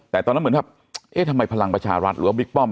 แต่ตอนนั้นเหมือนกับเอ๊ะทำไมพลังประชารัฐหรือว่าบิ๊กป้อม